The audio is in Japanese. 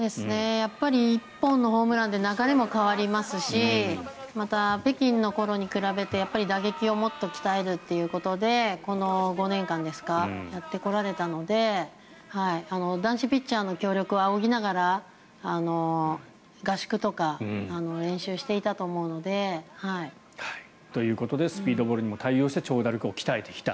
やっぱり１本のホームランで流れも変わりますしまた、北京の頃に比べて打撃をもっと鍛えるということでこの５年間やってこられたので男子ピッチャーの協力を仰ぎながら合宿とか練習していたと思うので。ということでスピードボールにも対応して長打力を鍛えてきた。